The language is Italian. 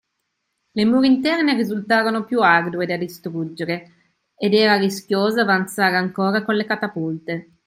Le mura interne risultarono più ardue da distruggere, ed era rischioso avanzare ancora con le catapulte.